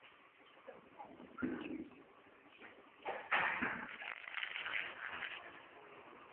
Rubber producers once again turned to regulation to maintain prices.